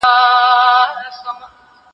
زه اجازه لرم چي پاکوالي وساتم.